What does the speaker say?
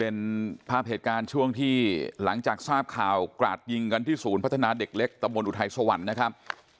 เป็นภาพเหตุการณ์ช่วงที่หลังจากทราบข่าวกราดยิงกันที่ศูนย์พัฒนาเด็กเล็กตะบนอุทัยสวรรค์นะครับ